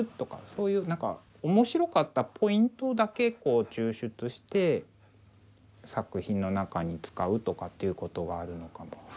そういう面白かったポイントだけ抽出して作品の中に使うとかっていうことがあるのかも。